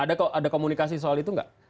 ada komunikasi soal itu nggak